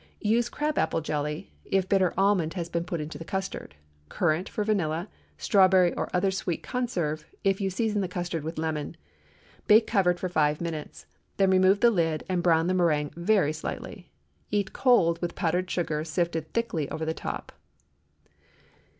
Use crab apple jelly, if bitter almond has been put into the custard; currant, for vanilla; strawberry or other sweet conserve, if you season the custard with lemon. Bake, covered, for five minutes. Then remove the lid, and brown the méringue very slightly. Eat cold, with powdered sugar sifted thickly over the top.